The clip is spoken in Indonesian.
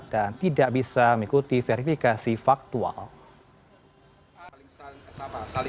dan tidak bisa mengikuti peraturan